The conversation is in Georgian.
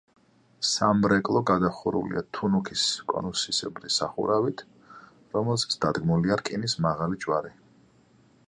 სამრეკლო გადახურულია თუნუქის კონუსისებრი სახურავით, რომელზეც დადგმულია რკინის მაღალი ჯვარი.